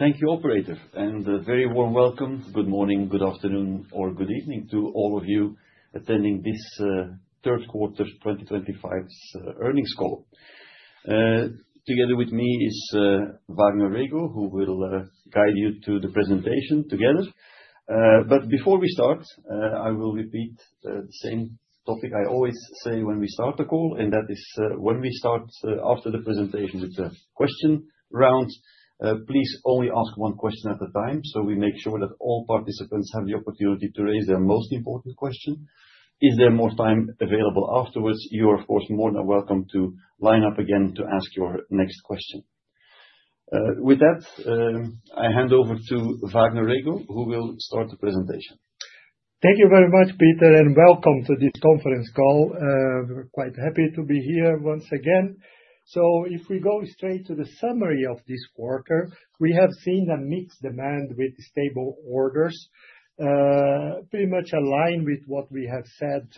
Thank you, operator, and a very warm welcome. Good morning, good afternoon, or good evening to all of you attending this third quarter 2025 earnings call. Together with me is Vagner Rego who will guide you to the presentation together, but before we start, I will repeat the same topic I always say when we start the call, and that is when we start after the presentation with the call question rounds, please only ask one question at a time so we make sure that all participants have the opportunity to raise their most important question. Is there more time available afterwards? You are of course more than welcome to line up again to ask your next question. With that, I hand over to Vagner Rego who will start the presentation. Thank you very much, Peter, and welcome to this conference call. We're quite happy to be here once again. So if we go straight to the summary of this quarter, we have seen a mixed demand with stable orders pretty much aligned with what we have said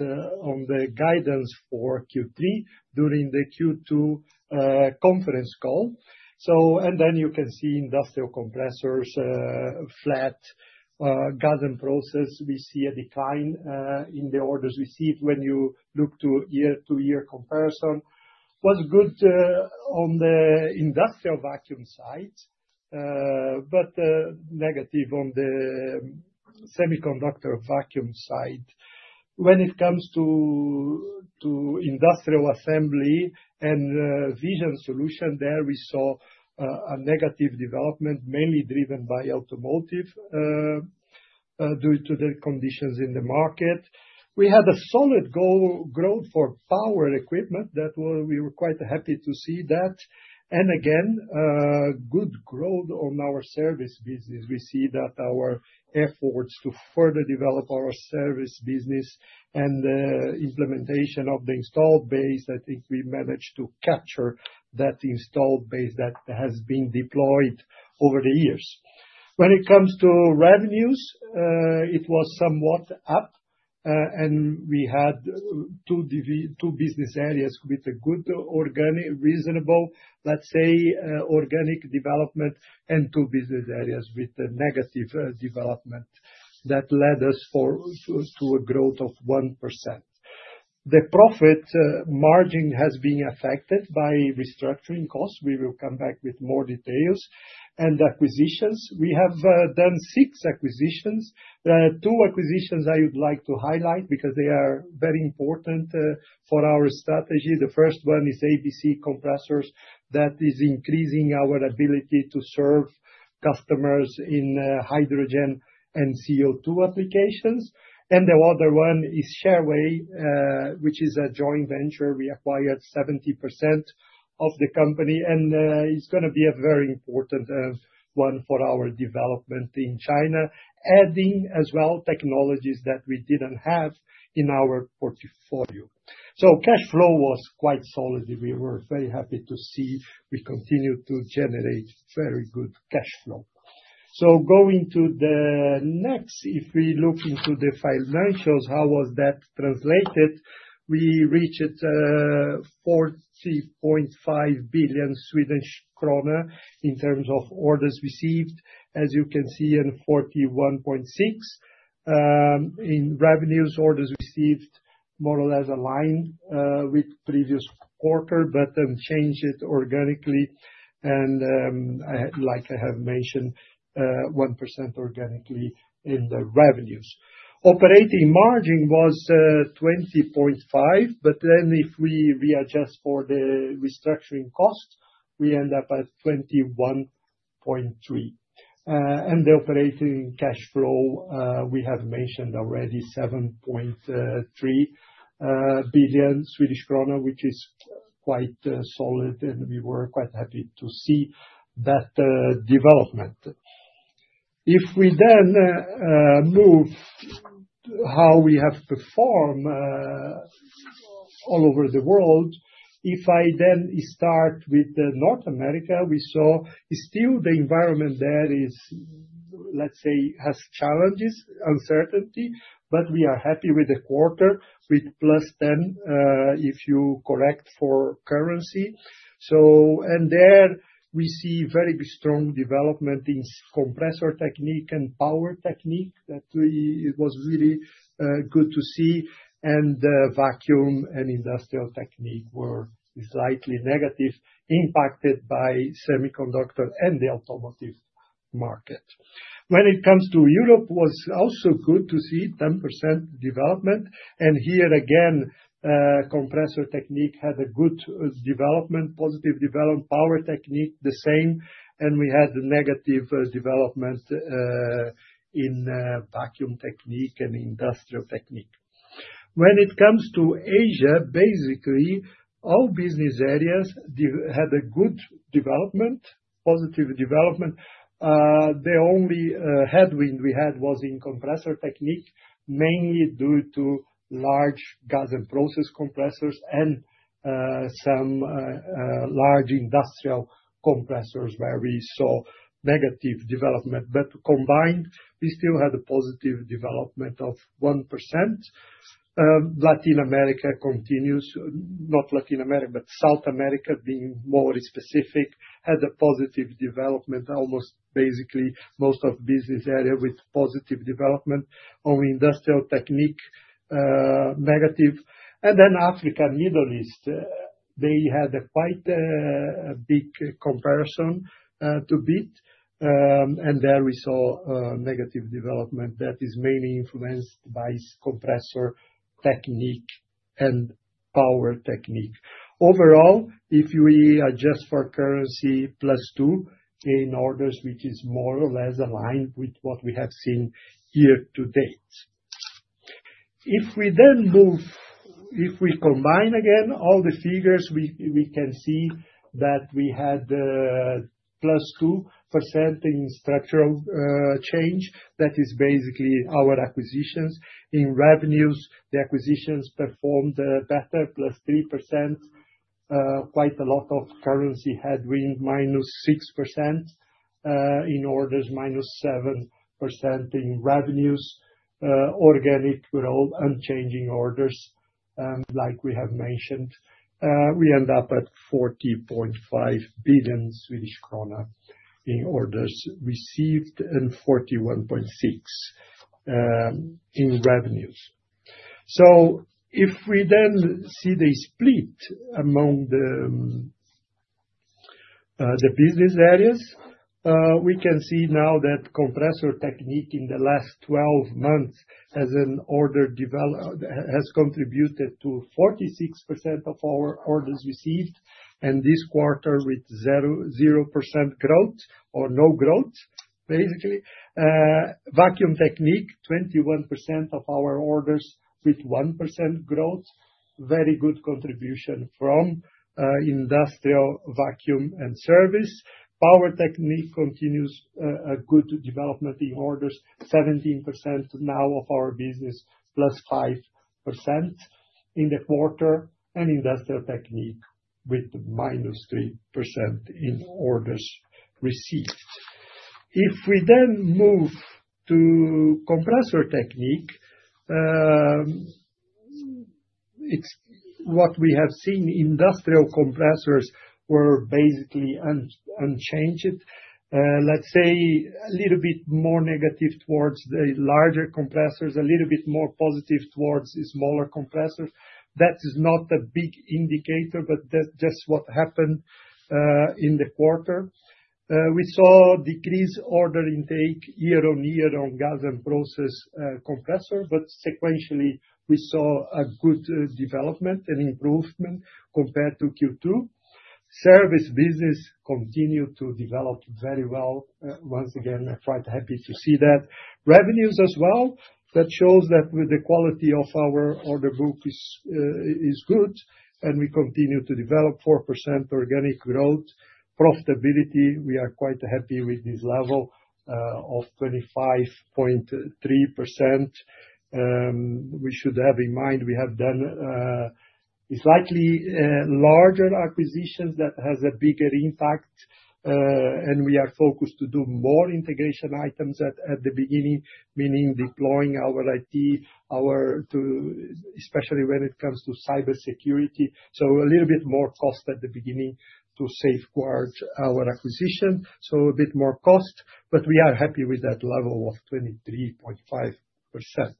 on the guidance for Q3 during the Q2 conference call. And then you can see industrial compressors flat, Gas and Process. We see a decline in the orders received. When you look to year-to-year comparison was good on the industrial vacuum side but negative on the semiconductor vacuum side. When it comes to Industrial Assembly and Vision Solutions there we saw a negative development mainly driven by automotive. Due to the conditions in the market, we had a solid growth for power equipment that we were quite happy to see that, and again, good growth on our service business. We see that our efforts to further develop our service business and implementation of the installed base. I think we managed to capture that installed base that has been deployed over the years. When it comes to revenues, it was somewhat up, and we had two business areas with a good, reasonable, let's say, organic development and two business areas with negative development that led us to a growth of 1%. The profit margin has been affected by restructuring costs. We will come back with more details and acquisitions. We have done six acquisitions. There are two acquisitions I would like to highlight because they are very, very important for our strategy. The first one is ABC Compressors that is increasing our ability to serve customers in hydrogen and CO2 applications. And the other one is Shareway which is a joint venture. We acquired 70% of the company and it's going to be a very important one for our development in China and adding as well technologies that we didn't have in our portfolio. So cash flow was quite solid. We were very happy to see we continue to generate very good cash flow. So going to the next, if we look into the financials, how was that translated? We reached 40.5 billion Swedish krona. In terms of orders received, as you can see, 41.6 billion in revenues, orders received more or less aligned with previous quarter. But change it organically and like I have mentioned, 1% organically in the revenues. Operating margin was 20.5%. But then if we readjust for the restructuring cost, we end up at 21.3% The operating cash flow we have mentioned already 7.3 billion Swedish krona, which is quite solid. We were quite happy to see that development. If we then move how we have performed all over the world. If I then start with North America, we saw still the environment there is, say, has challenges, uncertainty, but we are happy with the quarter with plus 10% if you correct for currency, so and there we see very strong development in Compressor Technique and Power Technique that it was really good to see, and Vacuum Technique and Industrial Technique were slightly negative, impacted by semiconductor and the automotive market. When it comes to Europe was also good to see 10% development, and here again Compressor Technique had a good development, positive development. Power Technique the same, and we had negative development. In Vacuum Technique and Industrial Technique. When it comes to Asia, basically all business areas had a good development, positive development. The only headwind we had was in Compressor Technique, mainly due to large Gas and Process compressors and some large industrial compressors, where we saw negative development. But combined we still had a positive development of 1%. Latin America continues, not Latin America, but South America, being more specific, had a positive development. Almost basically most of business area with positive development on Industrial Technique negative. And then Africa, Middle East, they had a quite big comparison to beat. And there we saw negative development that is mainly influenced by Compressor Technique and Power Technique. Overall, if we adjust for currency plus 2% in orders, which is more or less aligned with what we have seen year to date. If we then move, if we combine again all the figures, we can see that we had plus 2% in structural change, that is basically our acquisitions in revenues. The acquisitions performed better, plus 3%. Quite a lot of currency headwinds. Minus 6% in orders, minus 7% in revenues. Organic were all unchanged orders, like we have mentioned. We end up at 40.5 billion Swedish krona in orders received and 41.6 billion in revenues. So if we then see the split among the business areas, we can see now that Compressor Technique in the last 12 months as order development has contributed to 46% of our orders received. In this quarter, with 0% growth or no growth, basically Vacuum Technique, 21% of our orders with 1% growth, very good contribution from industrial vacuum and service. Power Technique continues a good development in orders, 17% now of our business +5% in the quarter and Industrial Technique with -3% in orders received. If we then move to Compressor Technique. What we have seen, industrial compressors were basically unchanged, let's say a little bit more negative towards the larger compressors, a little bit more positive towards smaller compressors. That is not a big indicator, but that's just what happened in the quarter. We saw decreased order intake year on year on Gas and Process compressor. But sequentially we saw a good development and improvement compared to Q2 service. Business continue to develop very well. Once again quite happy to see that revenues as well. That shows that the quality of our order book is good and we continue to develop 4% organic growth, profitability. We are quite happy with this level of 25.3%. We should have in mind, we have done slightly larger acquisitions. That has a bigger impact and we are focused to do more integration items at the beginning, meaning deploying our items, our especially when it comes to cybersecurity, so a little bit more cost at the beginning to safeguard our acquisition, so a bit more cost, but we are happy with that level of 23.5%,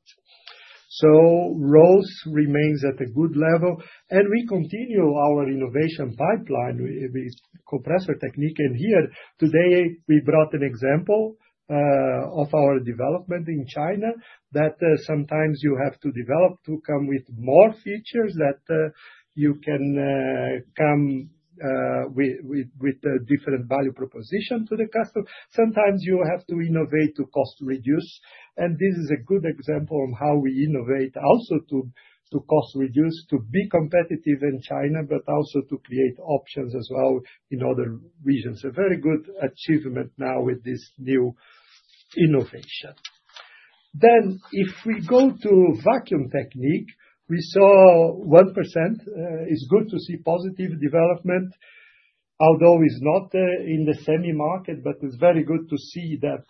so ROCE remains at a good level and we continue our innovation pipeline with Compressor Technique, and here today we brought an example of our development in China that sometimes you have to develop to come with more features that you can come. With a different value proposition to the customer. Sometimes you have to innovate to cost reduce, and this is a good example of how we innovate also to cost reduce to be competitive in China, but also to create options as well in other regions. A very good achievement. Now, with this new innovation, then if we go to Vacuum Technique we saw 1%. It's good to see positive development, although it's not in the semi market, but it's very good to see that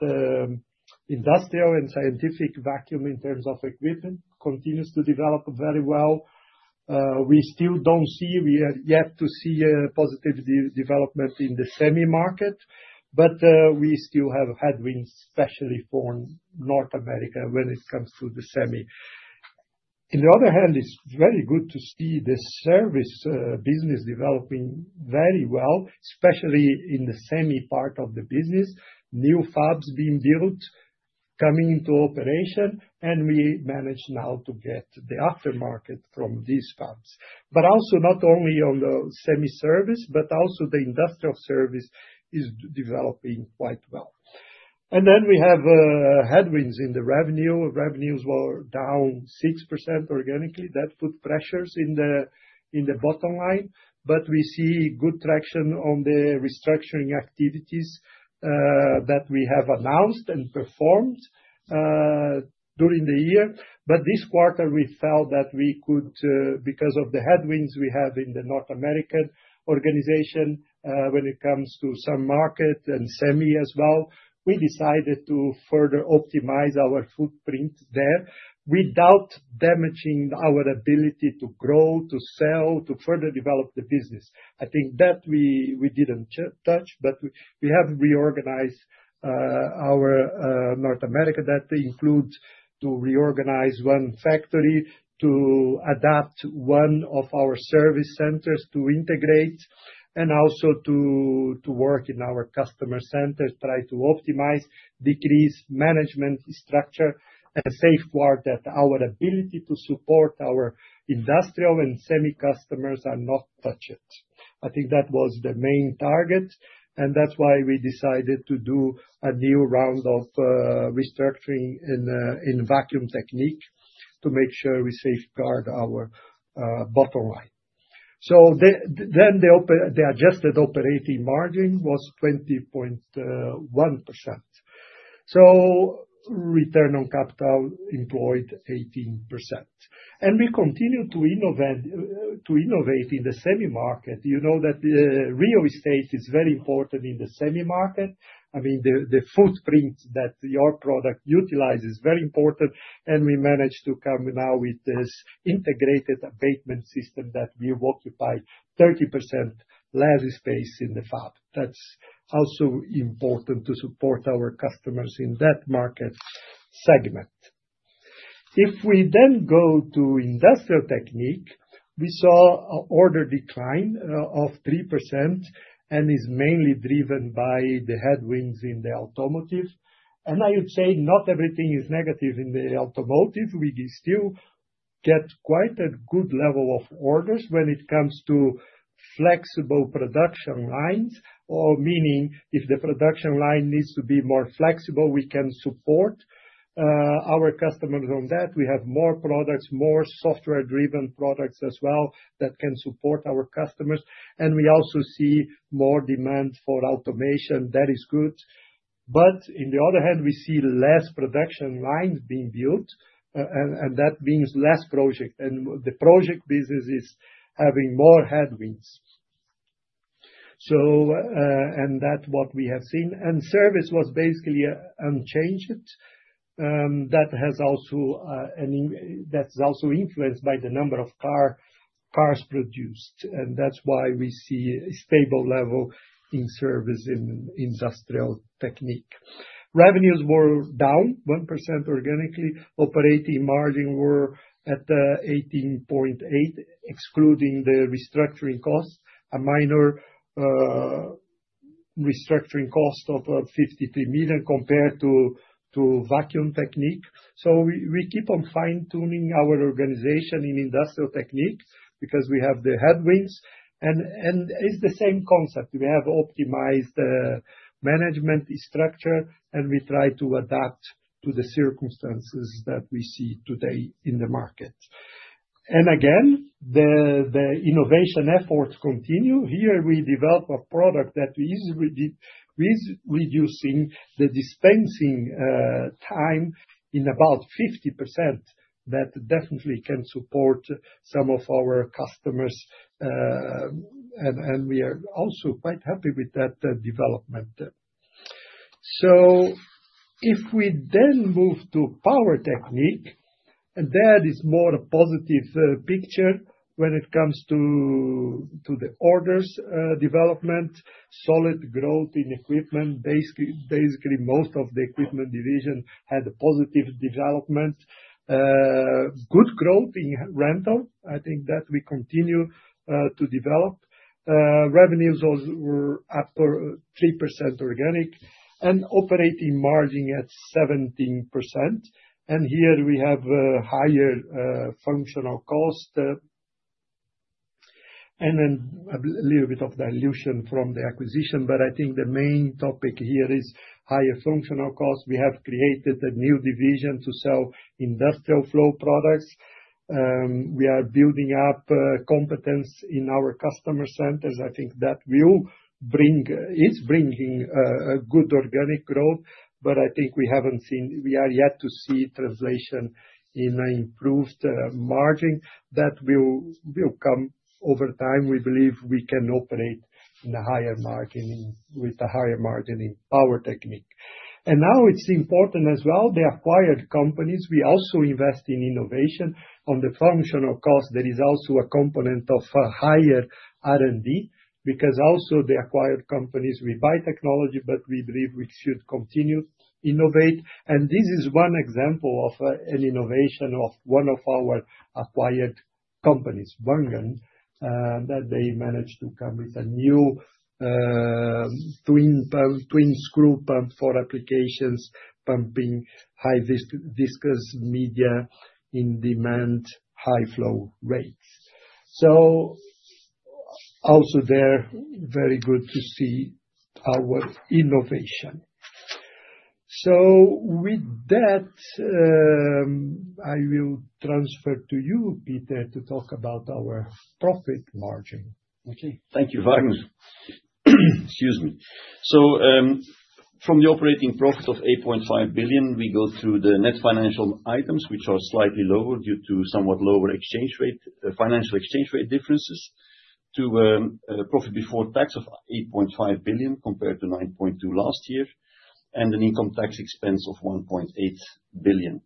industrial and scientific vacuum in terms of equipment continues to develop very well. We still don't see. We are yet to see positive development in the semi market but we still have headwinds, especially for North America when it comes to the semi. On the other hand, it's very good to see the service business developing very well, especially in the semi part of the business. New fabs being built, coming into operation, and we manage now to get the aftermarket from these fabs but also not only on the semi service, but also the industrial service is developing quite well, and then we have headwinds in the revenue. Revenues were down 6% organically. That put pressures in the bottom line, but we see good traction on the restructuring activities that we have announced and performed during the year. This quarter we felt that we could because of the headwinds we have in the North American organization when it comes to semi market and semi as well. We decided to further optimize our footprint there without damaging our ability to grow, to sell, to further develop the business. I think that we didn't touch, but we have reorganized our North America. That includes to reorganize one factory, to adapt one of our service centers to integrate, and also to work in our customer centers, try to optimize, decrease management structure, and safeguard that our ability to support our industrial and semi customers are not touched. I think that was the main target, and that's why we decided to do a new round of restructuring in Vacuum Technique to make sure we safeguard our bottom line, so then the adjusted operating margin was 20.1%, so return on capital employed 18%, and we continue to innovate in the semi market. You know that real estate is very important in the semi market. I mean the footprint that your product utilizes, very important, and we managed to come now with this integrated abatement system that will occupy 30% less space in the fab. That's also important to support our customers in that market segment. If we then go to Industrial Technique, we saw order decline of 3% and is mainly driven by the headwinds in the automotive. And I would say not everything is negative in the automotive. We still get quite a good level of orders when it comes to flexible production lines. Meaning if the production line needs to be more flexible, we can support our customers on that. We have more products, more software driven products as well that can support our customers. And we also see more demand for automation that is good. But on the other hand we see less production lines being built and that means less project and the project business is having more headwinds. And that's what we have seen in service was basically unchanged. That's also influenced by the number of cars produced. That's why we see a stable level in service in Industrial Technique. Revenues were down 1% organically. Operating margin were at 18.8% excluding the restructuring costs. A minor restructuring cost of 53 million compared to Vacuum Technique. So we keep on fine tuning our organization in Industrial Technique because we have the headwinds and it's the same concept. We have optimized management structure and we try to adapt to the circumstances that we see today in the market, and again the innovation efforts continue. Here we develop a product that is reducing the dispensing time in about 50%. That definitely can support some of our customers. We are also quite happy with that development. So if we then move to Power Technique. And that is more a positive picture when it comes to the orders development. Solid growth in equipment. Basically most of the equipment division had a positive development. Good growth in rental. I think that we continue to develop. Revenues were up 3% organic and operating margin at 17%, and here we have higher functional cost. And then a little bit of dilution from the acquisition. But I think the main topic here is higher functional cost. We have created a new division to sell industrial flow products. We are building up competence in our customer centers. I think that will bring good organic growth. But I think we haven't seen. We are yet to see translation in improved margin. That will come over time. We believe we can operate in a higher margin with a higher margin in Power Technique. And now it's important as well the acquired companies, we also invest in innovation on the functional cost that is also a component of higher R&D. Because also the acquired companies we buy technology. But we believe we should continue innovate. This is one example of an innovation of one of our acquired companies, Wangen, that they managed to come with a new. twin-screw pump for applications pumping high viscous media in demand, high flow rates, so also there very good to see our innovation. So with that. I will transfer to you, Peter, to talk about our profit margin. Okay, thank you, Vagner. Excuse me. So from the operating profit of 8.5 billion, we go through the net financial items which are slightly lower due to somewhat lower exchange rate financial exchange rate differences to profit before tax of 8.5 billion compared to 9.2 billion last year, and an income tax expense of 1.8 billion.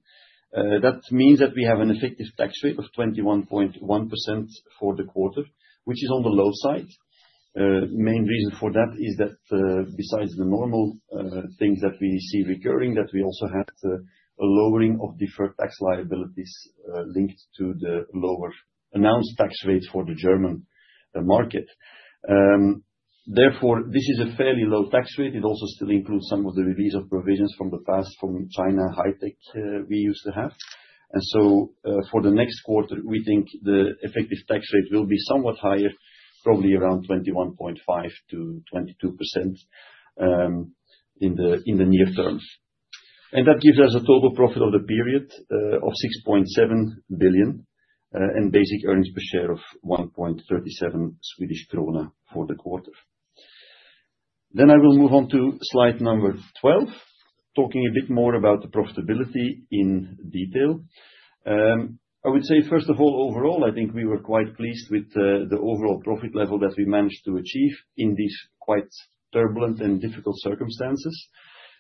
That means that we have an effective tax rate of 21.1% for the quarter, which is on the low side. Main reason for that is that besides the normal things that we see recurring, that we also had a lowering of deferred tax liabilities linked to the lower announced tax rate for the German market. Therefore, this is a fairly low tax rate. It also still includes some of the release of provisions from the past from China High-Tech we used to have, and so for the next quarter we think the effective tax rate will be somewhat higher, probably around 21.5%-22% in the near term. And that gives us a total profit of the period of 6.7 billion and basic earnings per share of 1.37 Swedish krona for the quarter. Then I will move on to slide number 12, talking a bit more about the profitability in detail. I would say first of all, overall, I think we were quite pleased with the overall profit level that we managed to achieve in these quite turbulent and difficult circumstances.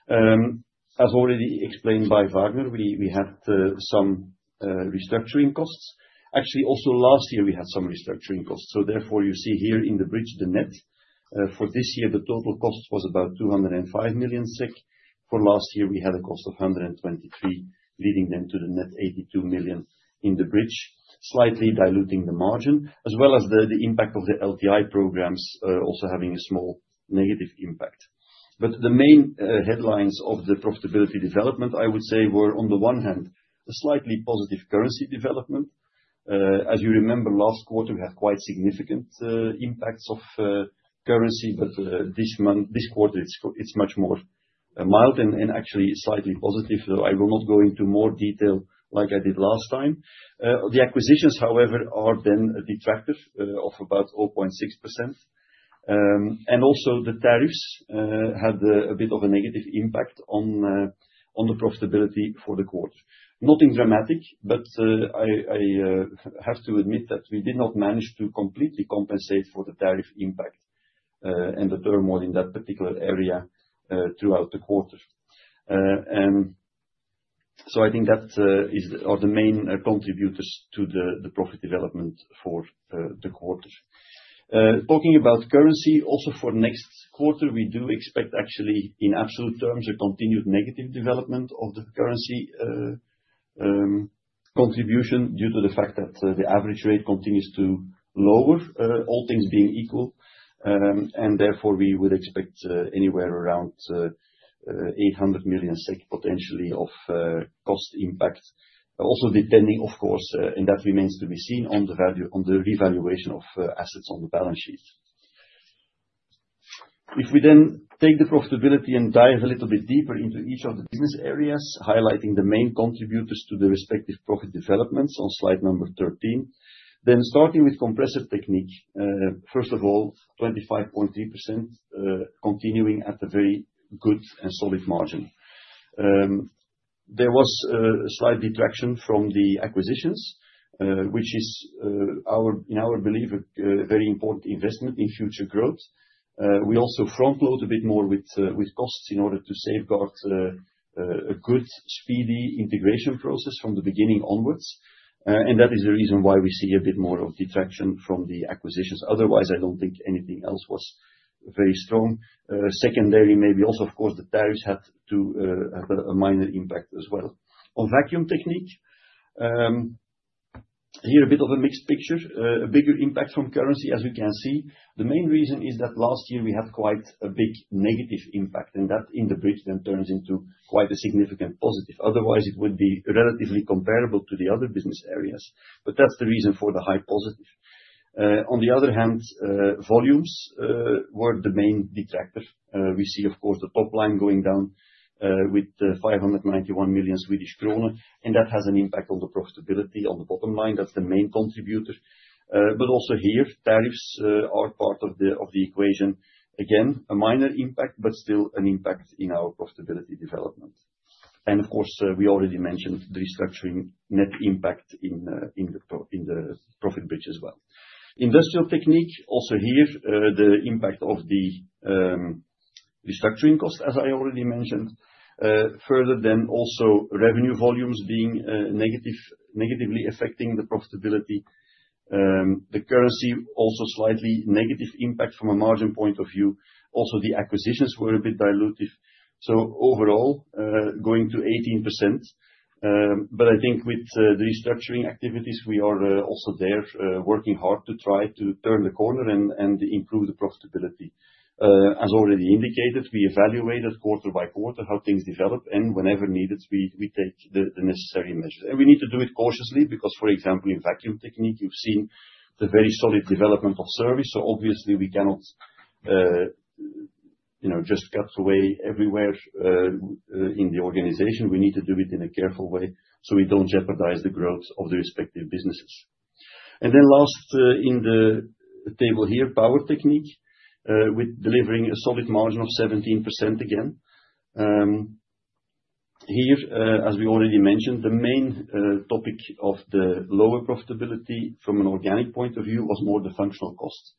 As already explained by Wagner, we had some restructuring costs actually. Also last year we had some restructuring costs. So therefore you see here in the bridge, the net for this year, the total cost was about 205 million SEK. For last year we had a cost of 123, leading them to the net 82 million in the bridge, slightly diluting the margin as well as the impact of the LTI programs, also having a small negative impact, but the main headlines of the profitability development, I would say, were on the one hand a slightly positive currency development. As you remember, last quarter we had quite significant impacts of currency, but this quarter it's much more mild and actually slightly positive, so I will not go into more detail like I did last time. The acquisitions however, are then a detractor of about 0.6%, and also the tariffs had a bit of a negative impact on the profitability for the quarter. Nothing dramatic, but I have to admit that we did not manage to completely compensate for the tariff impact and the turmoil in that particular area throughout the quarter. So I think that are the main contributors to the profit development for the quarter. Talking about currency also for next quarter, we do expect actually in absolute terms a continued negative development of the currency. Contribution due to the fact that the average rate continues to lower, all things being equal, and therefore we would expect anywhere around 800 million SEK, potentially of cost impact also depending of course, and that remains to be seen on the revaluation of assets on the balance sheet. If we then take the profitability and dive a little bit deeper into each of the business areas, highlighting the main contributors to the respective profit developments on slide number 13, then starting with Compressor Technique, first of all, 25.3% continuing at a very good and solid margin. There was a slight detraction from the acquisitions, which is in our belief a very important investment in future growth. We also front load a bit more with costs in order to safeguard a good speedy integration process from the beginning onwards. And that is the reason why we see a bit more of the traction from the acquisitions. Otherwise I don't think anything else was very strong. Secondary maybe. Also of course the tariffs had to have a minor impact as well. On Vacuum Technique, here's a bit of a mixed picture, a bigger impact from currency. As you can see, the main reason is that last year we had quite a big negative impact, and that in the bridge then turns into quite a significant positive. Otherwise, it would be relatively comparable to the other business areas, but that's the reason for the high positive. On the other hand, volumes were the main detractor. We see, of course, the top line going down with 591 million Swedish kronor, and that has an impact on the profitability on the bottom line. That's the main contributor, but also here tariffs are part of the equation. Again, a minor impact, but still an impact in our profitability development, and of course we already mentioned the restructuring net impact in the profit bridge as well, Industrial Technique. Also here, the impact of the restructuring cost, as I already mentioned, further than also revenue volumes being negatively affecting the profitability, the currency also slightly negative impact from a margin point of view. Also, the acquisitions were a bit dilutive, so overall going to 18%, but I think with the restructuring activities, we are also there working hard to try to turn the corner and improve the profitability. As already indicated, we evaluated quarter by quarter how things develop, and whenever needed, we take the necessary measures, and we need to do it cautiously, because, for example, in Vacuum Technique, you've seen the very solid development of service, so obviously we cannot. You know, just cuts away everywhere in the organization. We need to do it in a careful way, so we don't jeopardize the growth of the respective businesses. And then last in the table here, Power Technique with delivering a solid margin of 17% again. Here, as we already mentioned, the main topic of the lower profitability, from an organic point of view, was more functional cost.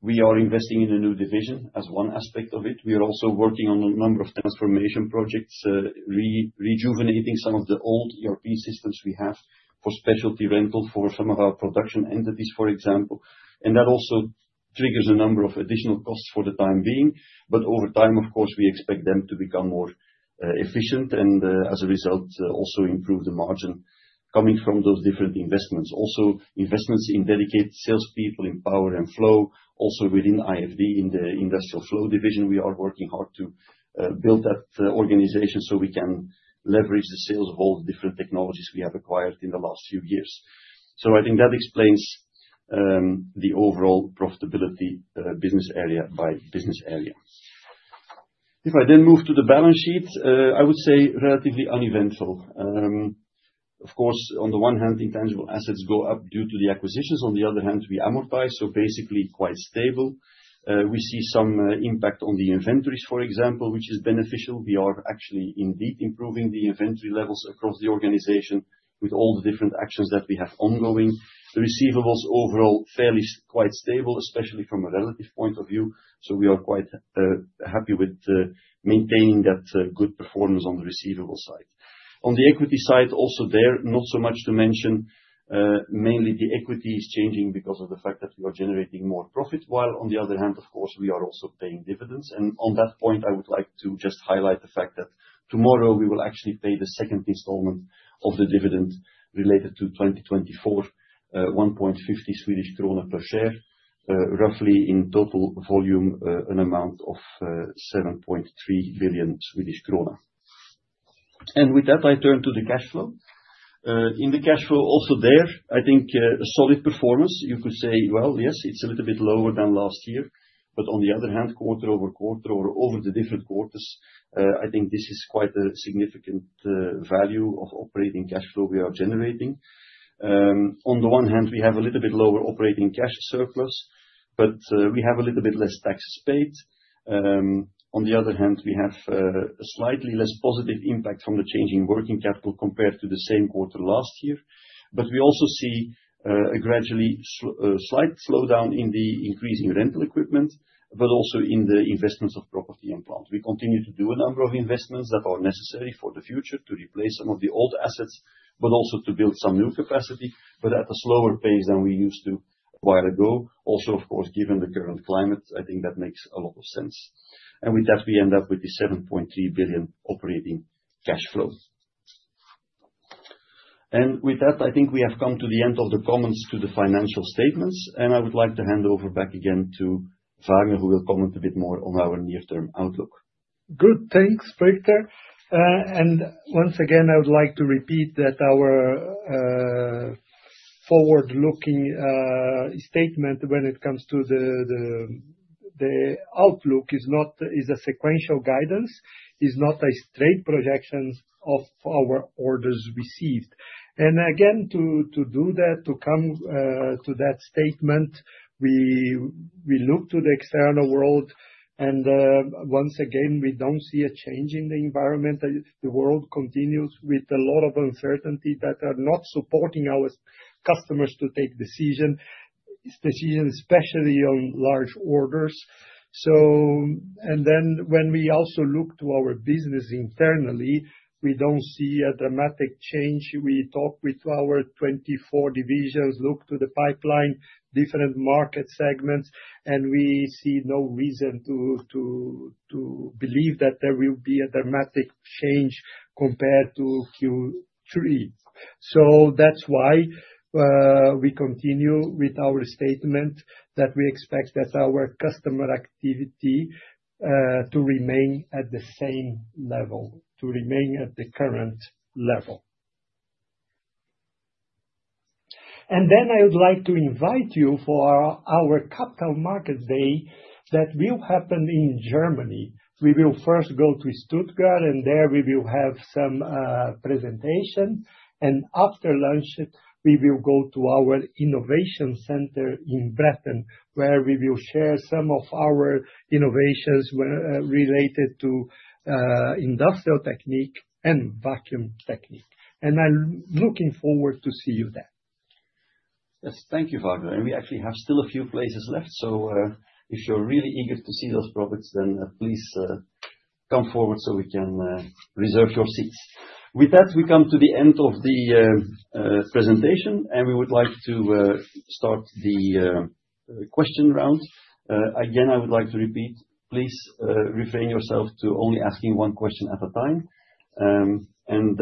We are investing in a new division as one aspect of it. We are also working on a number of transformation projects, rejuvenating some of the old ERP systems we have for Specialty Rental for some of our production entities, for example. And that also triggers a number of additional costs for the time being. But over time, of course, we expect them to become more efficient and as a result also improve the margin coming from those different investments. Also investments in dedicated salespeople in Power and Flow. Also within IFD, in the Industrial Flow Division, we are working hard to build that organization so we can leverage the sales of all the different technologies we have acquired in the last few years. So I think that explains the overall profitability, business area by business area. If I then move to the balance sheet, I would say relatively uneventful, of course. On the one hand, intangible assets go up due to the acquisitions. On the other hand, we amortize, so basically quite stable. We see some impact on the inventories, for example, which is beneficial. We are actually indeed improving the inventory levels across the organization with all the different actions that we have ongoing. The receivables overall fairly quite stable, especially from a relative point of view. So we are quite happy with maintaining that good performance on the receivable side. On the equity side also there not so much to mention. Mainly the equity is changing because of the fact that we are generating more profit, while on the other hand, of course we are also paying dividends. And on that point, I would like to just highlight the fact that tomorrow we will actually pay the second installment of the dividend. Related to 2024, 1.50 Swedish krona per share, roughly in total volume, an amount of 7.3 billion Swedish krona. And with that, I turn to the cash flow. In the cash flow also there, I think a solid performance. You could say, well yes, it's a little bit lower than last year, but on the other hand, quarter-over-quarter or over the different quarters, I think this is quite a significant value of operating cash flow we are generating. On the one hand, we have a little bit lower operating cash surplus, but we have a little bit less taxes paid. On the other hand, we have a slightly less positive impact from the changing working capital compared to the same quarter last year. But we also see a gradually slight slowdown in the increase in rental equipment, but also in the investments of property and plant. We continue to do a number of investments that are necessary for the future to replace some of the old assets, but also to build some new capacity, but at a slower pace than we used to a while ago. Also of course, given the current climate, I think that makes a lot of sense, and with that we end up with 7.3 billion operating cash flow. With that, I think we have come to the end of the comments to the financial statements, and I would like to hand over back again to Vagner, who will comment a bit more on our near term outlook. Good. Thanks, Peter. And once again I would like to repeat that our forward-looking statement when it comes to the outlook is not a sequential guidance, is not a straight projections of our orders received, and again to do that, to come to that statement, we look to the external world and once again we don't see a change in the environment. The world continues with a lot of uncertainty that are not supporting our customers to take decisions, especially on large orders, and then when we also look to our business internally, we don't see a dramatic change. We talk with our 24 divisions, look to the pipeline, different market segments, and we see no reason to believe that there will be a dramatic change compared to Q3. So that's why we continue with our statement that we expect that our customer activity to remain at the same level, to remain at the current level. And then I would like to invite you to our Capital Markets Day that will happen in Germany. We will first go to Stuttgart and there we will have some presentation. And after lunch we will go to our innovation center in Bretten where we will share some of our innovations related to Industrial Technique and Vacuum Technique. And I'm looking forward to seeing you there. Thank you, Vagner. And we actually have still a few places left, so if you're really eager to see those products, then please come forward so we can reserve your seats. With that, we come to the end of the presentation and we would like to start the question round again. I would like to repeat, please refrain yourself to only asking one question at a time, and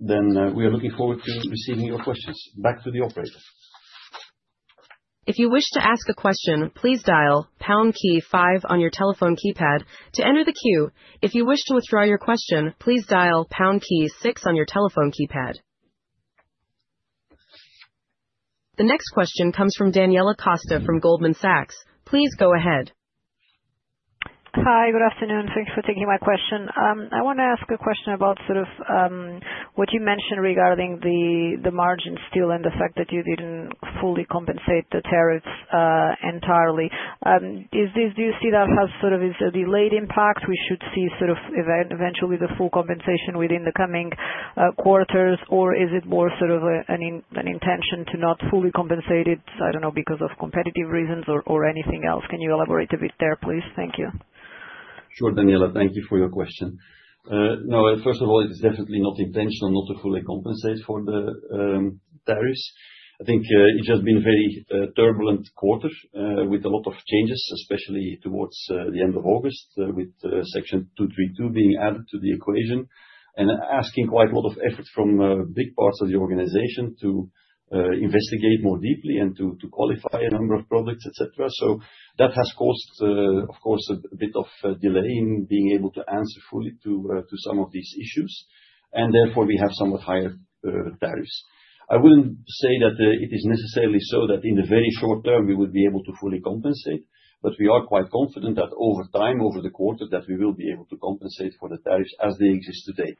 then we are looking forward to receiving your questions back to the operator. If you wish to ask a question, please dial on your telephone keypad to enter the queue. If you wish to withdraw your question, please dial six on your telephone keypad. The next question comes from Daniela Costa from Goldman Sachs. Please go ahead. Hi, good afternoon. Thanks for taking my question. I want to ask a question about sort of what you mentioned regarding the margin still and the fact that you didn't fully compensate the tariffs entirely. Do you see that as sort of a delayed impact? We should see sort of eventually the full compensation within the coming quarters? Or is it more sort of an intention to not fully compensate it? I don't know, because of competitive reasons or anything else. Can you elaborate a bit there, please? Thank you. Sure. Daniela, thank you for your question. No, first of all, it is definitely not intentional not to fully compensate for the tariffs. I think it's just been very turbulent quarter with a lot of changes, especially towards the end of August with Section 232 being added to the equation and asking quite a lot of effort from big parts of the organization to investigate more deeply and to qualify a number of projects, etc. So that has caused, of course, a bit of delay in being able to answer fully to some of these issues and therefore we have somewhat higher tariffs. I wouldn't say that it is necessarily so that in the very short term we would be able to fully compensate, but we are quite confident that over time, over the quarter that we will be able to compensate for the tariffs as they exist today.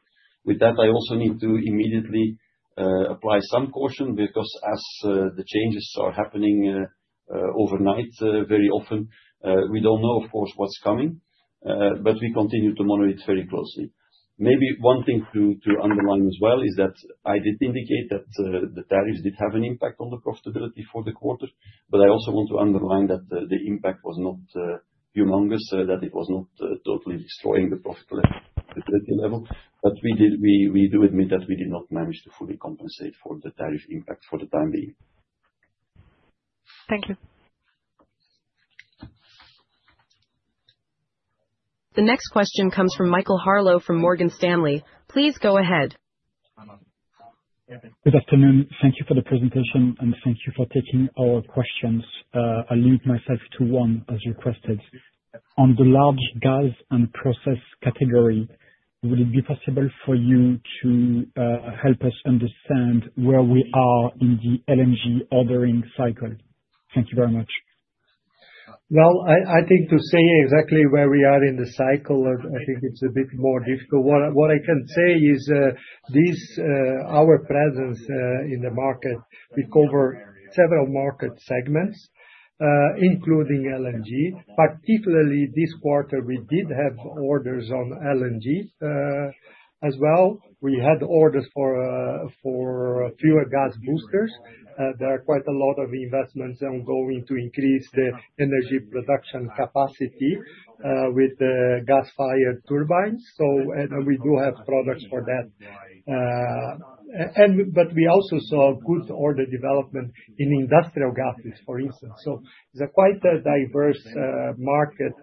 With that I also need to immediately apply some caution because as the changes are happening overnight, very often we don't know of course what's coming, but we continue to monitor it very closely. Maybe one thing to underline as well is that I did indicate that the tariffs did have an impact on the profitability for the quarter. But I also want to underline that the impact was not humongous, that it was not totally destroying the profitability level. But we do admit that we did not manage to fully compensate for the tariff impacts for the time being. Thank you. The next question comes from Michael Harleaux from Morgan Stanley. Please go ahead. Good afternoon. Thank you for the presentation and thank you for taking our questions. I'll limit myself to one as requested. On the large Gas and Process category, would it be possible for you to help us understand where we are in the LNG ordering cycle? Thank you very much. I think to say exactly where we are in the cycle, I think it's a bit more difficult. What I can say is this, our presence in the market. We cover several market segments, including LNG, particularly this quarter. We did have orders on LNG as well. We had orders for fuel gas boosters. There are quite a lot of investments ongoing to increase the energy production capacity with gas-fired turbines. We do have products for that. But we also saw good order development in industrial gases for instance. So it's quite a diverse market,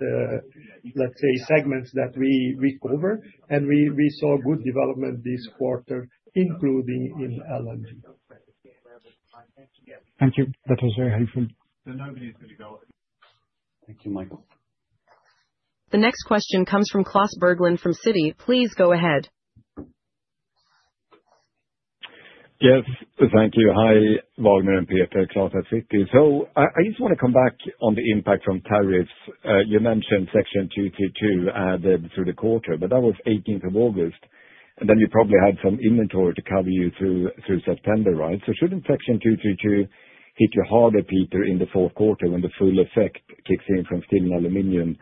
let's say segments that we cover. And we saw good development this quarter, including in LNG. Thank you. That was very helpful. Thank you, Michael. The next question comes from Klas Bergelind from Citi. Please go ahead. Yes, thank you. Hi, Wagner and Peter, Klas at Citi. So I just want to come back on the impact from tariffs. You mentioned Section 232 added through the quarter, but that was 18th of August and then you probably had some inventory to cover you through September right. So shouldn't Section 232 hit you harder, Peter, in the fourth quarter when the full effect kicks in from steel and aluminum?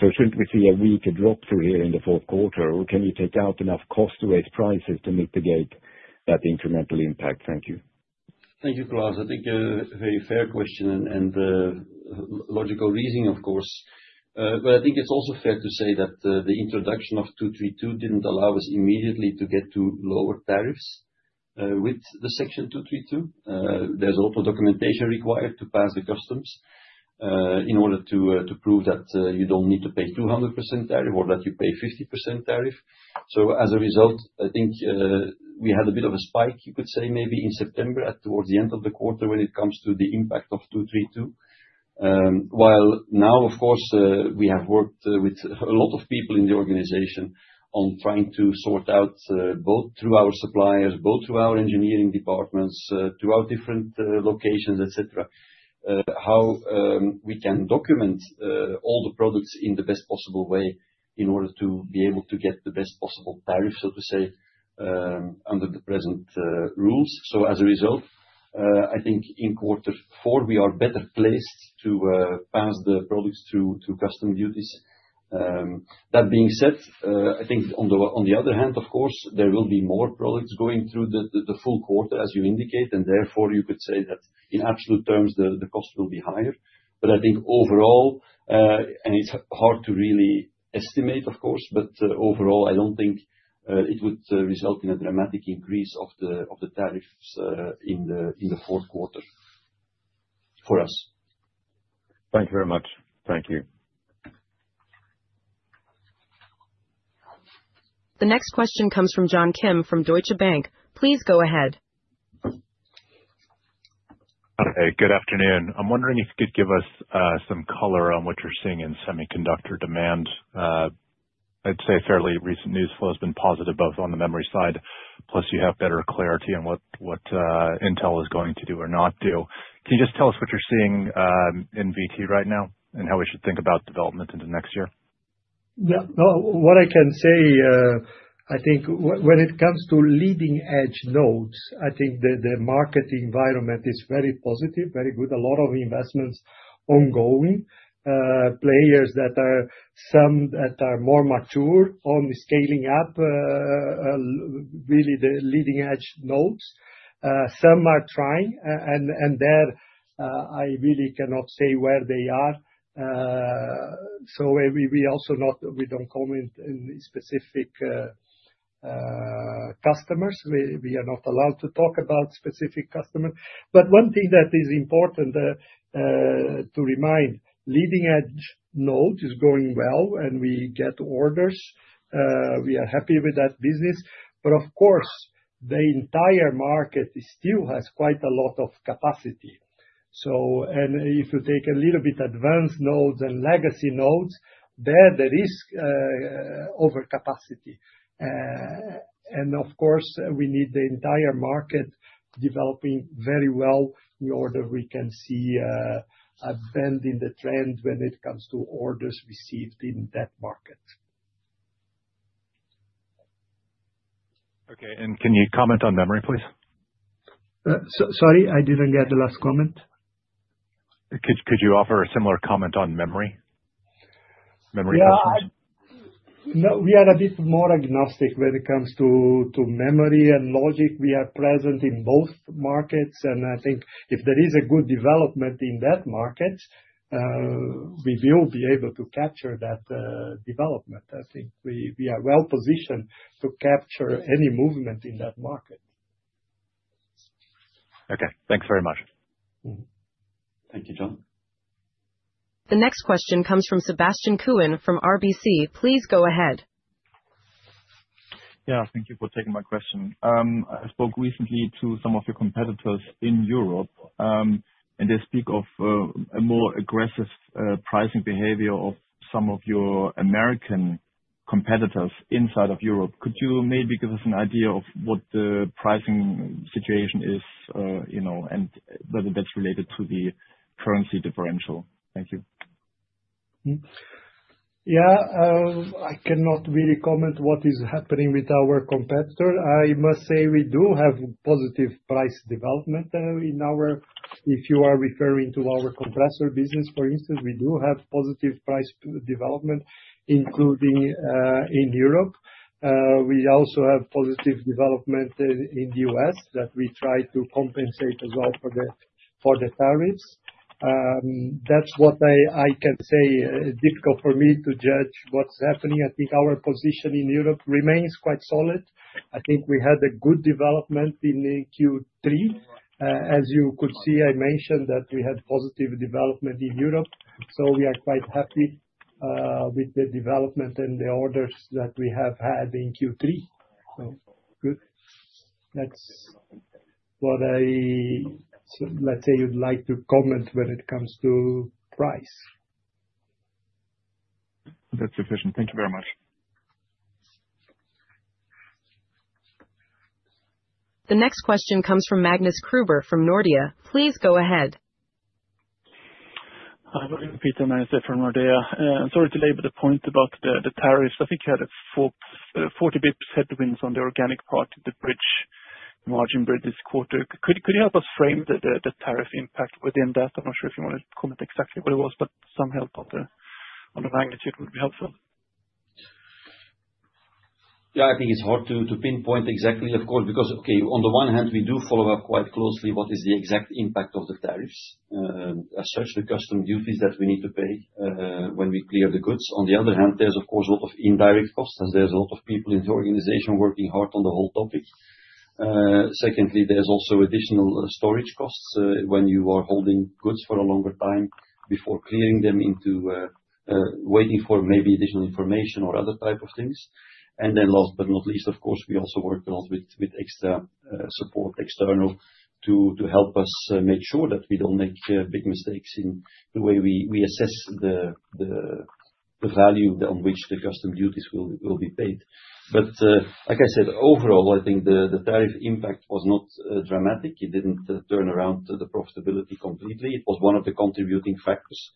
So shouldn't we see a weaker drop through here in the fourth quarter? Or can you take out enough cost to raise prices to mitigate that incremental impact? Thank you. Thank you, Klas. I think a very fair question and logical reasoning of course, but I think it's also fair to say that the introduction of Section 232 didn't allow us immediately to get to lower tariffs with the Section 232. There's also documentation required to pass the customs in order to prove that you don't need to pay 200% tariff or that you pay 50% tariff. So as a result, I think we had a bit of a spike, you could say maybe in September towards the end of the quarter when it comes to the impact of Section 232. While now, of course we have worked with a lot of people in the organization on trying to sort out both through our suppliers, both through our engineering departments throughout different locations, etc. How we can document all the products in the best possible way in order to be able to get the best possible tariff, so to say, under the present rules. So as a result, I think in quarter four we are better placed to pass the products through to customs duties. That being said, I think on the other hand, of course there will be more products going through the full quarter as you indicate and therefore you could say that in absolute terms the cost will be higher. But I think overall, and it's hard to really estimate, of course, but overall I don't think it would result in a dramatic increase of the tariffs in the fourth quarter for us. Thank you very much. Thank you. The next question comes from John Kim from Deutsche Bank. Please go ahead. Good afternoon. I'm wondering if you could give us some color on what you're seeing in semiconductor demand. I'd say fairly recent news flow has been positive both on the memory side. Plus you have better clarity on what, what Intel is going to do or not do. Can you just tell us what you're seeing in VT right now and how we should think about development into next year? What I can say, I think when it comes to leading edge nodes, I think the market environment is very positive, very good, a lot of investments, ongoing players that are, some that are more mature on scaling up. Really the leading-edge nodes, some are trying and there I really cannot say where they are. So, we also don't comment on specifics customers. We are not allowed to talk about specific customers, but one thing that is important to remind, leading-edge node is going well and we get orders. We are happy with that business. But of course the entire market still has quite a lot of capacity and if you take a little bit advanced nodes and legacy nodes, there is overcapacity and of course we need the entire market developing very well in order we can see a bend in the trend when it comes to orders received in that market. Okay, and can you comment on memory please? Sorry, I didn't get the last comment. Could you offer a similar comment on memory? No, we are a bit more agnostic when it comes to memory and logic. We are present in both markets and I think if there is a good development in that market. We will be able to capture that development. I think we are well positioned to capture any movement in that market. Okay, thanks very much. Thank you, John. The next question comes from Sebastian Kuenne from RBC. Please go ahead. Yeah, thank you for taking my question. I spoke recently to some of your competitors in Europe and they speak of a more aggressive pricing behavior of some of your American competitors inside of Europe. Could you maybe give us an idea of what the pricing situation is and whether that's related to the currency differential? Thank you. Yeah, I cannot really comment what is happening with our competitor. I must say we do have more positive price development in our. If you are referring to our compressor business, for instance, we do have positive price development, including in Europe. We also have positive development in the U.S. that we try to compensate as well for the tariffs. That's what I can say. Difficult for me to judge what's happening. I think our position in Europe remains quite solid. I think we had a good development in Q3, as you could see. I mentioned that we had positive development in Europe. So we are quite happy with the development and the orders that we have had in Q3. Good. That's what I. Let's say you'd like to comment. When it comes to price. That's sufficient. Thank you very much. The next question comes from Magnus Kruber from Nordea. Please go ahead. Hi, my name is Magnus Kruber here from Nordea. Sorry to belabor the point about the tariffs. I think you had 40 basis points headwinds on the organic part of the bridge margin this quarter. Could you help us frame the tariff impact within that? I'm not sure if you want to comment exactly what it was, but some help on the magnitude would be helpful. Yeah, I think it's hard to pinpoint exactly, of course. Okay, on the one hand we do follow up quite closely what is the exact impact of the tariffs as such, the customs duties that we need to pay when we clear the goods. On the other hand, there's of course a lot of indirect costs as there's a lot of people in the organization working hard on the whole topic. Secondly, there's also additional storage costs when you are holding goods for a longer time before clearing them into waiting for maybe additional information or other type of things. And then last but not least, of course, we also work a lot with extra support external to help us make sure that we don't make big mistakes in the way we assess the value on which the customs duties will be paid, but like I said, overall I think the tariff impact was not dramatic. It didn't turn around the profitability completely. It was one of the contributing factors.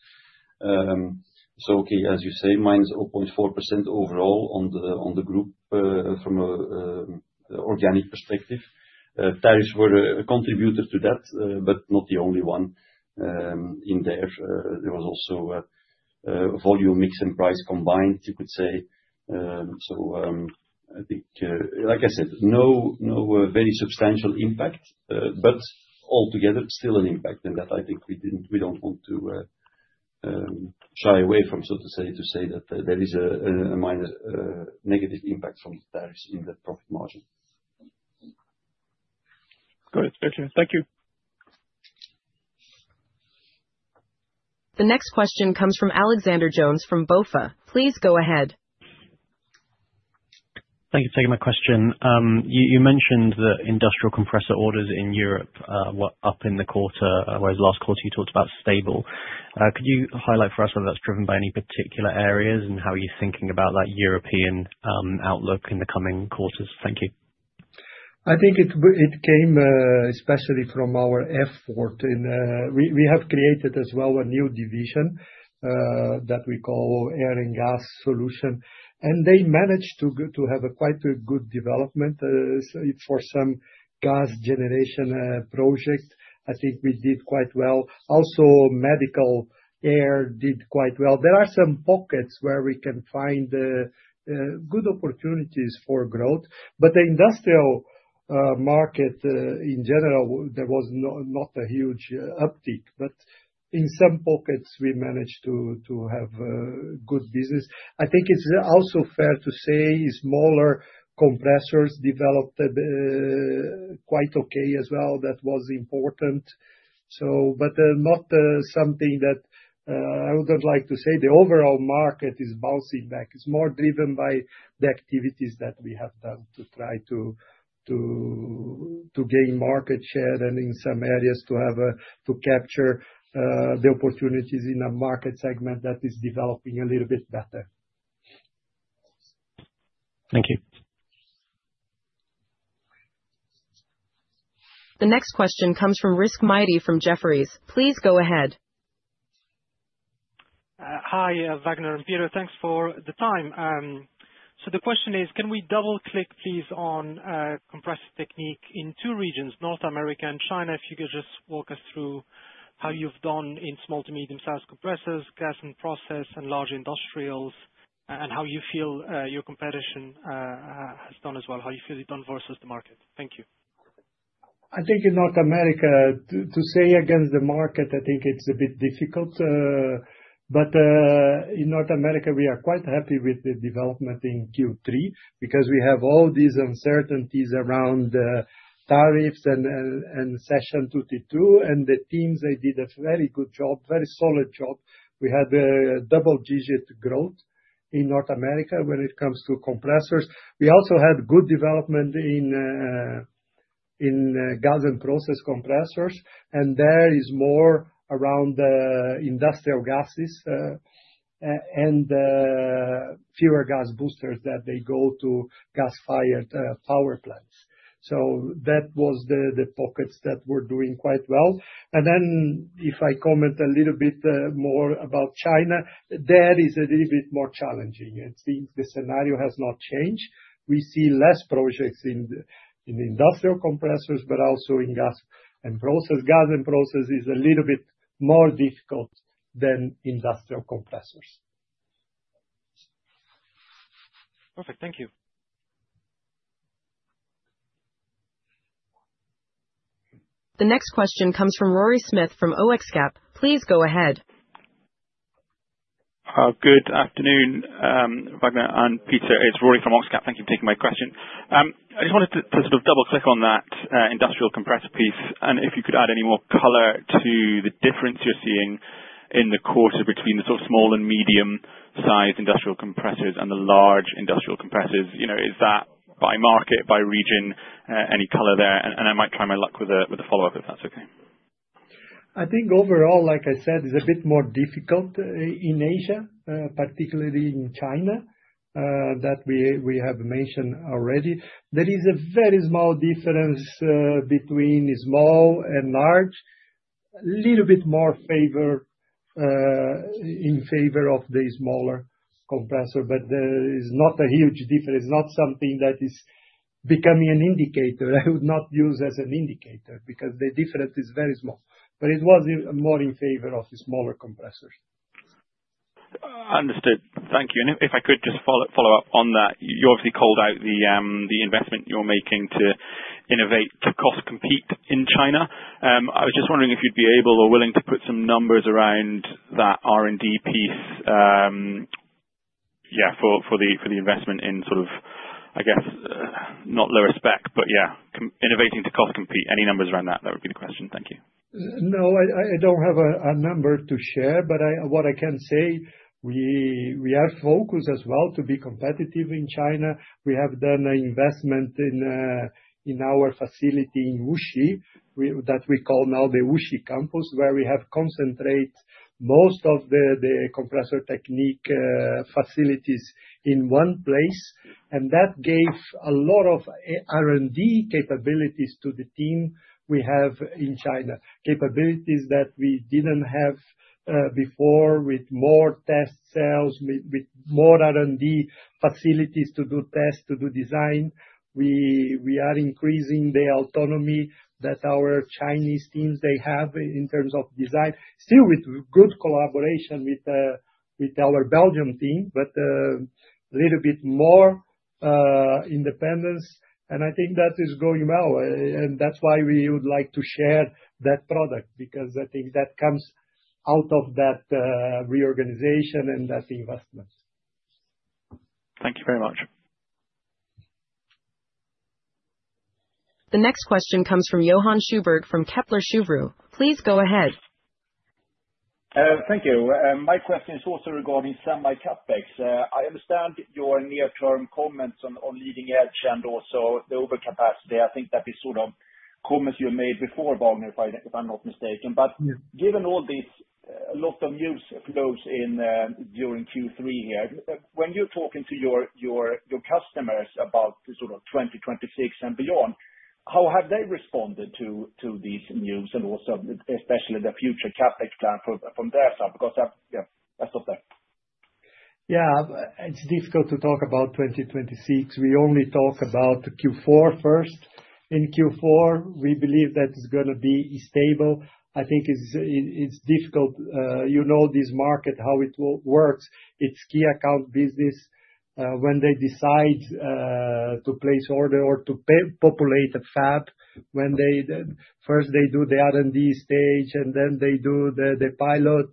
So, okay, as you say, minus 0.4% overall on the group from an organic perspective, tariffs were a contributor to that, but not the only one in there. There was also volume, mix and price combined, you could say. So I think, like I said, no, very substantial impact, but altogether still an impact and that I think we don't want to shy away from so to say that there is a minor negative impact from tariffs in the profit margin. Good, thank you. The next question comes from Alexander Jones from BofA. Please go ahead. Thank you for taking my question. You mentioned that industrial compressor orders in Europe were up in the quarter, whereas last quarter you talked about stable. Could you highlight for us whether that's driven by any particular areas and how are you thinking about that European outlook in the coming quarters? Thank you. I think it came especially from our effort. We have created as well a new division that we call Air and Gas Solutions and they managed to have quite a good development for some gas generation project. I think we did quite well also. Medical Air did quite well. There are some pockets where we can find good opportunities for growth, but the industrial market in general there was not a huge uptick. But in some pockets we managed to have good business. I think it's also fair to say smaller compressors developed quite okay as well. That was important, but not something that I would like to say. The overall market is bouncing back. It's more driven by the activities that we have done to try to gain market share and in some areas to have a, to capture the opportunities in a market segment that is developing a little bit better. Thank you. The next question comes from Rizk Maidi from Jefferies. Please go ahead. Hi Vagner and Peter, thanks for the time. So the question is, can we double? Click please on Compressor Technique in two Regions, North America and China. If you could just walk us through how you've done in small- to medium-sized compressors, Gas and Process and large industrials and how you feel your competition has done as well, how you feel it done versus the market? Thank you. I think in North America to say against the market, I think it's a bit difficult, but in North America we are quite happy with the development in Q3 because we have all these uncertainties around tariffs and Section 232 and the teams. They did a very good job, very solid job. We had double-digit growth in North America when it comes to compressors. We also had good development in Gas and Process compressors and there is more around industrial gases and fuel gas boosters that they go to gas-fired power plants, so that was the pockets that were doing quite well, and then if I comment a little bit more about China, there is a little bit more challenging. The scenario has not changed. We see less projects in industrial compressors, but also in Gas and Process. Gas and Process is a little bit more difficult than industrial compressors. Perfect, thank you. The next question comes from Rory Smith from OxCap. Please go ahead. Good afternoon, Wagner and Peter. It's Rory from OxCap. Thank you for taking my question. I just wanted to sort of double-click on that industrial compressor piece and if you could add any more color to the difference you're seeing in the quarter between the sort of small and medium-sized industrial compressors and the large industrial compressors. Is that by market, by region? Any color there, and I might try my luck with a follow-up if that's okay. I think overall, like I said, it's a bit more difficult in Asia, particularly in China that we have mentioned already, there is a very small difference between small and large. Little bit more favor. In favor of the smaller compressor, but there is not a huge difference. Not something that is becoming an indicator. I would not use as an indicator because the difference is very small, but it was more in favor of smaller compressors. Understood, thank you. And if I could just follow up on that. You obviously called out the investment you're making to innovate to cost compete in China. I was just wondering if you'd be able or willing to put some numbers around that R&D piece for the investment in sort of, I guess not lower spec, but yeah, innovating to cost compete. Any numbers around that? That would be the. Thank you. No, I don't have a number to share. But what I can say, we are focused as well to be competitive in China. We have done an investment in our facility in Wuxi that we call now the Wuxi campus where we have concentrate most of the Compressor Technique facilities in one place. And that gave a lot of R&D capabilities to the team we have in China, capabilities that we didn't have before with more test cells, with more R&D facilities to do tests, to do design. We are increasing the autonomy that our Chinese teams, they have in terms of design still with good collaboration with our Belgian team, but little bit more independence. And I think that is going well and that's why we would like to share that product because I think that comes out of that reorganization and that investment. Thank you very much. The next question comes from Johan Sjöberg, from Kepler Cheuvreux. Please go ahead. Thank you. My question is also regarding semi CapEx. I understand your near-term comments on leading-edge and also the overcapacity. I think that is sort of comments you made before Vagner, if I'm not mistaken. But given all this lot of news flows during Q3 here, when you're talking to your customers about 2026 and beyond, how have they responded to these news and also especially the future CapEx plan from their side because that's not there? Yeah, it's difficult to talk about 2026. We only talk about Q4 first. In Q4 we believe that it's going to be stable. I think it's difficult. You know this market, how it works. It's key account business. When they decide to place order or to populate a fab, when they first do the R&D stage and then they do the pilot.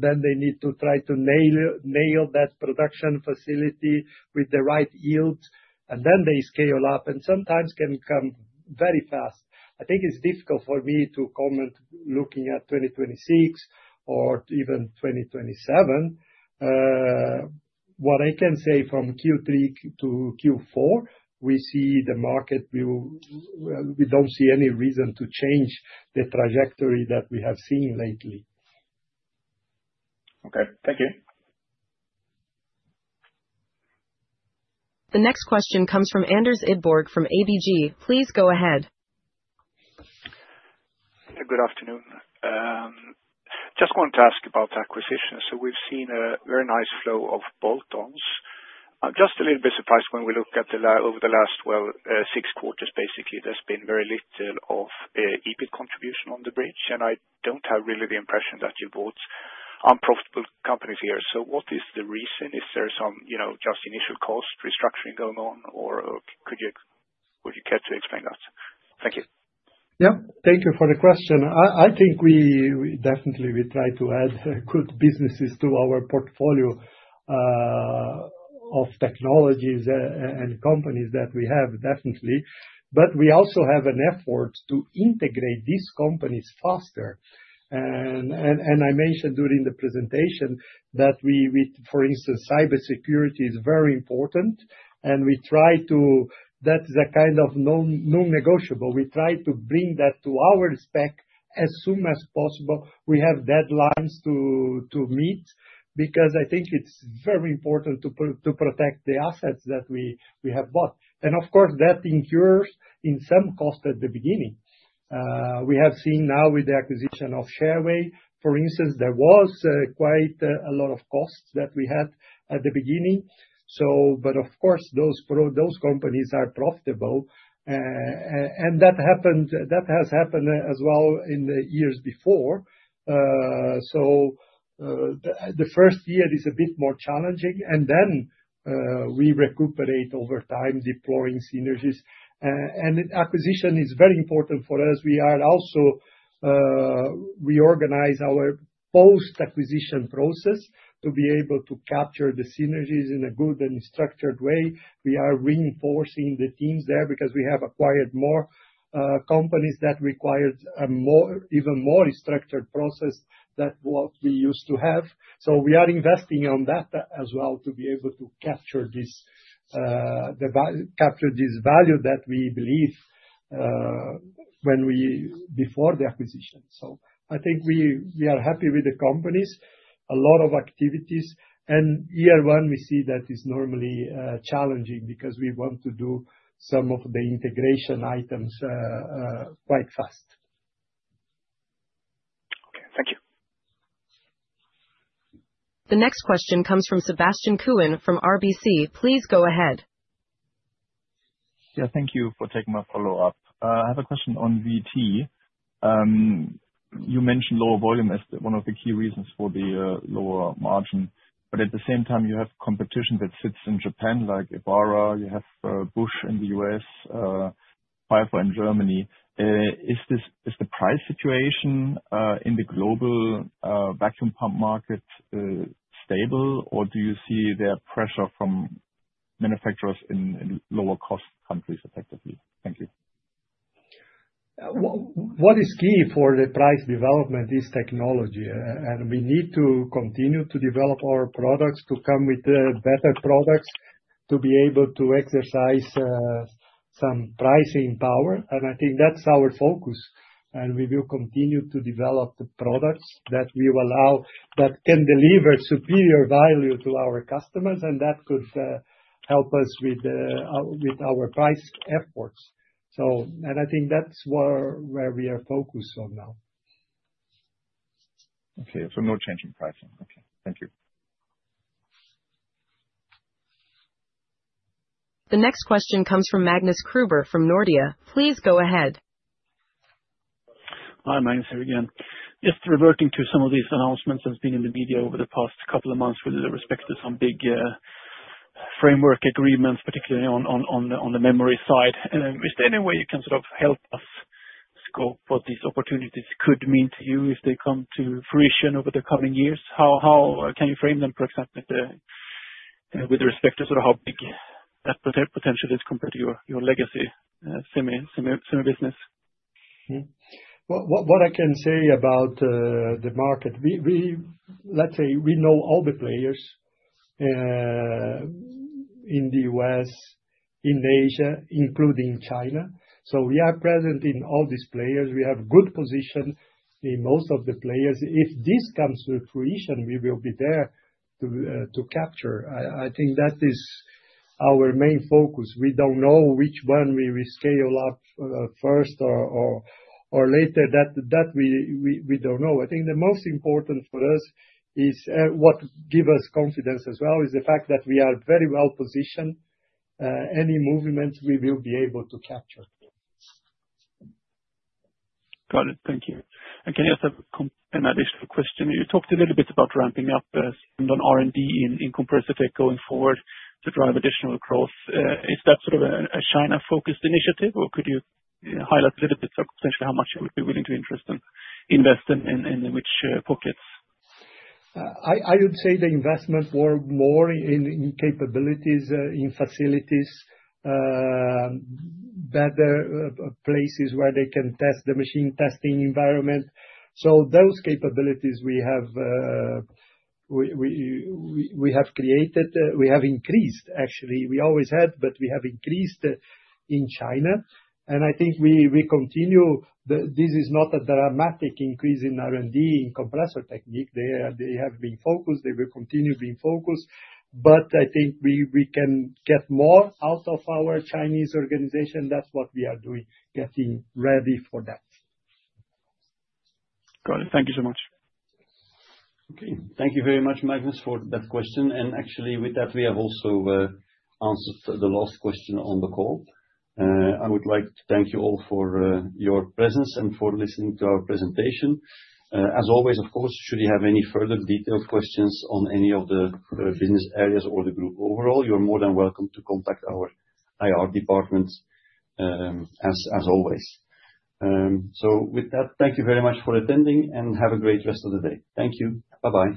Then they need to try to nail that production facility with the right yield and then they scale up and sometimes can come very fast. I think it's difficult for me to comment looking at 2026 or even 2027. What I can say from Q3 to Q4, we see the market. We don't see any reason to change the trajectory that we have seen lately. Okay, thank you. The next question comes from Anders Idborg from ABG. Please go ahead. Good afternoon. Just wanted to ask about acquisitions. So we've seen a very nice flow of bolt-ons. I'm just a little bit surprised when we look at over the last, well, six quarters basically there's been very little of EBIT contribution on the bridge. And I don't have really the impression that you bought unprofitable companies here. So what is the reason? Is there some, you know, just initial cost restructuring going on or would you care to explain that? Thank you. Yeah, thank you for the question. I think we definitely, we try to add good businesses to our portfolio of technologies and companies that we have. Definitely. But we also have an effort to integrate these companies faster. And I mentioned during the presentation that we, for instance, cybersecurity is very important and we try to. That is a kind of non-negotiable. We try to bring that to our acquisitions as soon as possible. We have deadlines to meet because I think it's very important to protect the assets that we have bought. And of course that incurs some cost at the beginning. We have seen now with the acquisition of Shareway, for instance, there was quite a lot of costs that we had at the beginning. But of course those companies are profitable and that has happened as well in the years before. So the first year is a bit more challenging and then we recuperate over time. Deploying synergies and acquisition is very important for us. We are also reorganize our post acquisition process to be able to capture the synergies in a good and structured way. We are reinforcing the teams there because we have acquired more companies that required even more structured process than what we used to have, so we are investing on that as well to be able to capture this. Capture this value that we believe before the acquisition. So, I think we are happy with the companies, a lot of activities, and year one. We see that is normally challenging because we want to do some of the integration items quite fast. Okay, thank you. The next question comes from Sebastian Kuenne from RBC. Please go ahead. Yeah, thank you for taking my follow up. I have a question on VT. You mentioned lower volume as one of the key reasons for the lower margin. But at the same time you have competition that sits in Japan like Ebara. You have Busch in the U.S. Pfeiffer in Germany. Is the price situation in the global vacuum pump market stable or do you see the pressure from manufacturers in lower cost countries effectively? Thank you. What is key for the price development is technology, and we need to continue to develop our products to come with better products to be able to exercise some pricing power. And I think that's our focus, and we will continue to develop the products that we will allow that can deliver superior value to our customers and that could help us with our price efforts. So. And I think that's where we are focused on now. Okay, so no change in pricing. Okay, thank you. The next question comes from Magnus Kruber from Nordea. Please go ahead. Hi, Magnus, here again. Just referring to some of these announcements that's been in the media over the past couple of months with respect to some big framework agreements, particularly on the memory side. Is there any way you can sort of help us scope what these opportunities could mean to you if they come to fruition over the coming years? How can you frame them, for example, with respect to how big that potential is compared to your legacy semi business? What I can say about the market, let's say we know all the players. In the U.S. in Asia, including China, so we are present in all these players. We have good position in most of the players. If this comes to fruition, we will be there to capture. I think that is our main focus. We don't know which one we will scale up first or later that we don't know. I think the most important for us is what give us confidence as well is the fact that we are very well positioned. Any movement we will be able to capture. Got it. Thank you. And can you have an additional question? You talked a little bit about ramping up on R&D in Compressor Technique going forward to drive additional growth. Is that sort of a China focused initiative or could you highlight a little bit circumstantially how much you would be willing to invest in which pockets? I would say the investment were more in capabilities, in facilities. Better places where they can test the machine testing environment, so those capabilities we have created. We have increased, actually. We always had, but we have increased in China and I think we continue. This is not a dramatic increase in R&D in Compressor Technique. They have been focused. They will continue being focused. But I think we can get more out of our Chinese organization. That's what we are doing. Getting ready for that. Got it. Thank you so much. Okay, thank you very much, Magnus, for that question. And actually with that we have also answered the last question on the call. I would like to thank you all for your presence and for listening to our presentation as always, of course, should you have any further detailed questions on any of the business areas or the group overall, you're more than welcome to contact our IR department. As always. So with that, thank you very much for attending and have a great rest of the day. Thank you. Bye bye.